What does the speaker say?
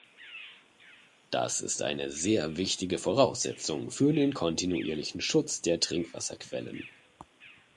Das ist eine sehr wichtige Voraussetzung für den kontinuierlichen Schutz der Trinkwasserquellen.